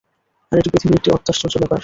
আর এটি পৃথিবীর একটি অত্যাশ্চর্য ব্যাপার।